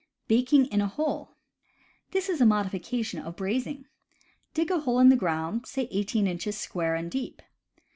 Baking in a Hole. — This is a modification of brais ing. Dig a hole in the ground, say eighteen inches square and deep.